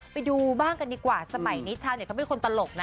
ไปดูบ้างกันดีกว่าสมัยนี้ชาวเน็ตเขาเป็นคนตลกนะ